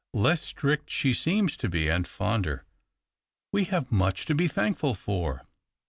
Less strict she seems to be, and fonder. We have much to be thankful for.